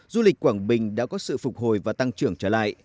du lịch quảng bình đã có sự phục hồi và tăng trưởng trở lại